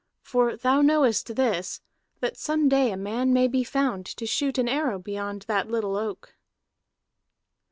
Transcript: For thou knowest this, that some day a man may be found to shoot an arrow beyond that little oak."